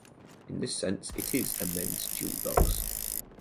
In this sense, it is a men's jewelry box.